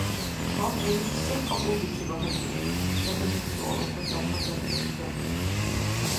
Халкь иличи сен кьабулбикиба, гьатӏи? – сагадан суалухъун дахъал дагьес диган.